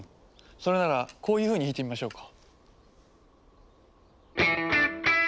それならこういうふうに弾いてみましょうか。